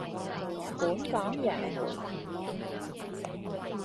本港楊梅